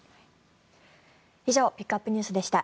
以上ピックアップＮＥＷＳでした。